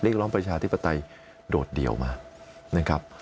เรียกร้องประชาธิปไตยโดดเดี่ยวมากนะครับ